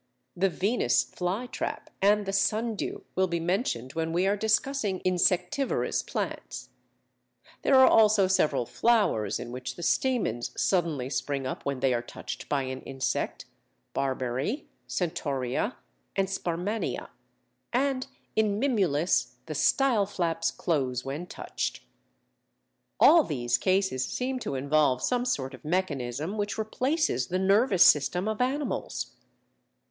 The Venus' Fly Trap and the Sundew will be mentioned when we are discussing Insectivorous Plants. There are also several flowers in which the stamens suddenly spring up when they are touched by an insect (Barberry, Centaurea, and Sparmannia), and in Mimulus the style flaps close when touched (see p. 70). All these cases seem to involve some sort of mechanism which replaces the nervous system of animals.